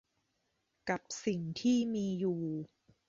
กับสิ่งที่มีอยู่